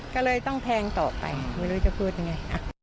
ก็เลยต้องแทงต่อไปไม่รู้จะพูดยังไง